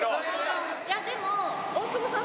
でも大久保さん